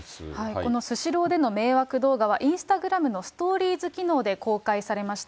このスシローでの迷惑動画はインスタグラムのストーリーズ機能で公開されました。